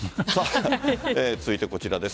続いてこちらです。